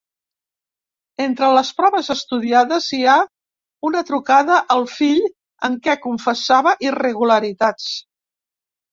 Entre les proves estudiades hi ha una trucada al fill en què confessava irregularitats.